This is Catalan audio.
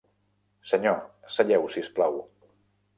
Senyor, seieu, si us plau.